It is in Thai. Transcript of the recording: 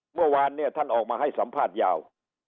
เมื่อวานเนี่ยท่านออกมาให้สัมภาษณ์ยาว